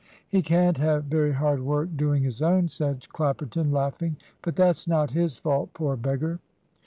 "He can't have very hard work doing his own," said Clapperton, laughing, "but that's not his fault, poor beggar.